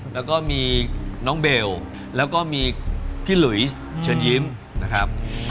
แล้วก็มีน้องเบลแล้วก็มีพี่หลุยเชิญยิ้มนะครับ